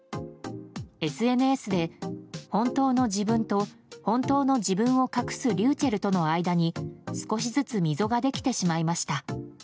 ＳＮＳで、本当の自分と本当の自分を隠すｒｙｕｃｈｅｌｌとの間に少しずつ溝ができてしまいました。